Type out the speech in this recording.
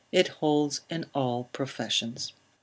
it holds in all professions.